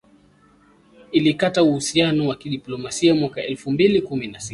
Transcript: ilikata uhusiano wa kidiplomasia mwaka elfu mbili kumi na sita